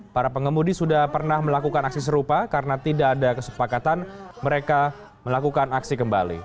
para pengemudi sudah pernah melakukan aksi serupa karena tidak ada kesepakatan mereka melakukan aksi kembali